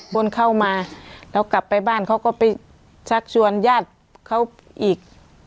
คนเข้ามาแล้วกลับไปบ้านเขาก็ไปชักชวนญาติเขาอีก